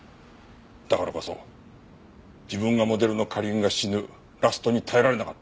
だからこそ自分がモデルの花凛が死ぬラストに耐えられなかった。